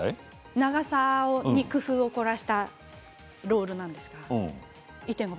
長さに工夫を凝らしたロールなんですけど１．５倍。